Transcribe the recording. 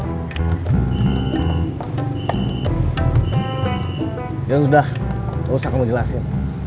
dia sudah gak usah kamu jelasin